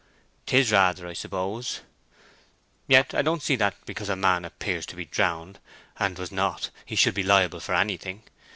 "'Tis rather, I suppose." "Yet I don't see that, because a man appears to be drowned and was not, he should be liable for anything.